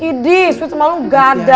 idi sweet sama lu gak ada